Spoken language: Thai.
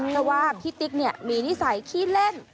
ก็ว่าพี่ติ๊กเนี่ยมีนิสัยขี้เล่น